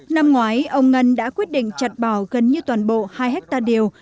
năm ngoái ông ngân đã quyết định chặt bỏ gần như toàn bộ hai hectare điều